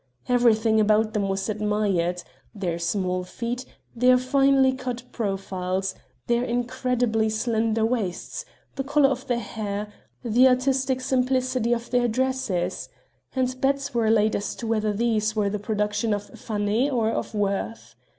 Everything about them was admired: their small feet, their finely cut profiles, their incredibly slender waists, the color of their hair, the artistic simplicity of their dresses and bets were laid as to whether these were the production of Fanet or of Worth.